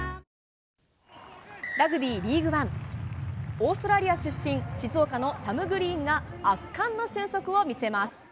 オーストラリア出身、静岡のサム・グリーンが圧巻の俊足を見せます。